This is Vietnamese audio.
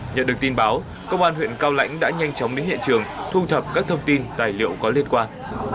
nhận được tin báo công an huyện cao lãnh đã nhanh chóng đến hiện trường thu thập các thông tin tài liệu có liên quan